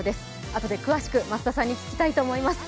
あとで詳しく増田さんに聞きたいと思います。